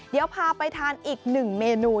เดี๋ยวพาไปทานอีกหนึ่งเมนู